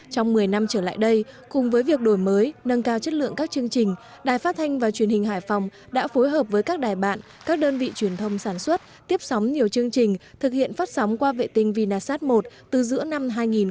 trong một mươi năm trở lại đây cùng với việc đổi mới nâng cao chất lượng các chương trình đài phát thanh và truyền hình hải phòng đã phối hợp với các đài bạn các đơn vị truyền thông sản xuất tiếp sóng nhiều chương trình thực hiện phát sóng qua vệ tinh vinasat một từ giữa năm hai nghìn một mươi tám